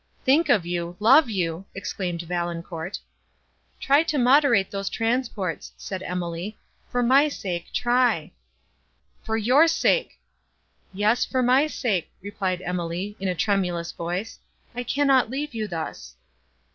"Think of you!—love you!" exclaimed Valancourt. "Try to moderate these transports," said Emily, "for my sake, try." "For your sake!" "Yes, for my sake," replied Emily, in a tremulous voice, "I cannot leave you thus!"